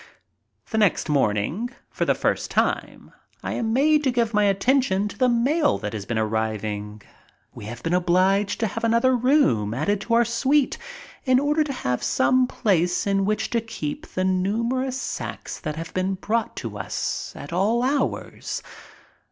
The next morning for the first time I am made to give my attention to the mail that has been arriving. We have been obliged to have another room added to our suite in order to have some place in which to keep the numerous sacks that are being brought to us at all hours.